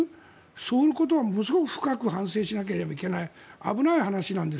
そのことはものすごく深く反省しなきゃいけない危ない話なんです。